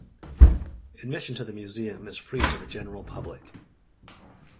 Admission to the museum is free to the general public.